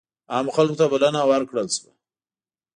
عامو خلکو ته بلنه ورکړل شوه.